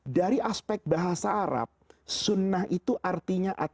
dari aspek bahasa arab sunnah itu artinya at torikoh